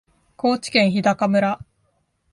高知県日高村